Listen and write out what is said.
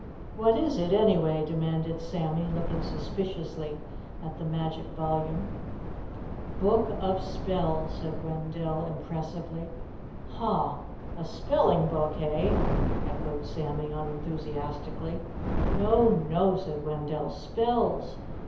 "What is it anyway?" demanded Sammy, looking suspiciously at the magic volume. "A Book of Spells," said Wendell impressively. "Huh! A spelling book, eh?" echoed Sammy unenthusiastically. "NO, no," said Wendell. "_Spells.